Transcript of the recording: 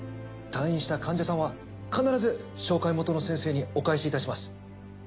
退院した患者さんは必ず紹介元の先生にお返しいたします。